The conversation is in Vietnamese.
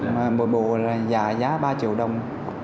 một bộ giả giá ba triệu đồng